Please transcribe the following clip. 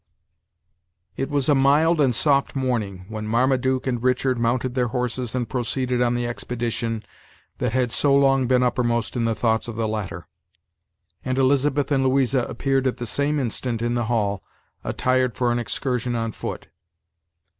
It was a mild and soft morning, when Marmaduke and Richard mounted their horses and proceeded on the expedition that had so long been uppermost in the thoughts of the latter; and Elizabeth and Louisa appeared at the same instant in the hall, attired for an excursion on foot.